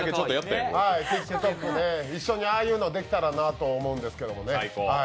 ＴｉｋＴｏｋで一緒にああいうのできたらなと思うんですけど。